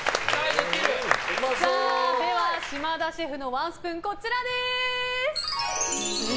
島田シェフのワンスプーンこちらです。